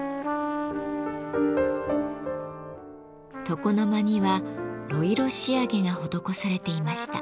床の間には呂色仕上げが施されていました。